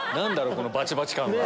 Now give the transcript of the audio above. このバチバチ感は。